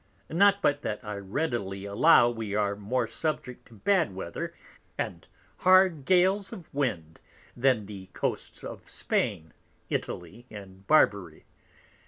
Not but that I readily allow we are more subject to bad Weather and hard Gales of Wind than the Coasts of Spain, Italy, and Barbary.